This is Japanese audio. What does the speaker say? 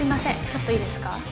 ちょっといいですか？